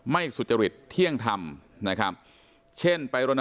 ไม่สุจริตเที่ยงทำ